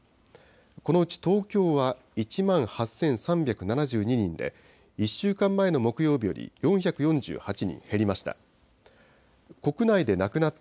このうち東京は１万８３７２人で、１週間前の木曜日より４４８人減りました。